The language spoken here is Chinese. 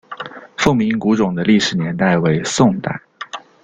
凤鸣古冢的历史年代为宋代。